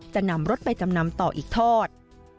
จะนำรถไปจำนำต่ออีกทอด